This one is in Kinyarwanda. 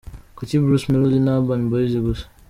Kuki Bruce Melody na Urban Boyz gusa?.